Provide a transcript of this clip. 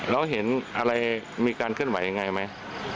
แล้วเห็นอะไรมีการเคลื่อนไหวยังไงไหม